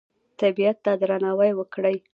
طبیعت ته درناوی وکړئ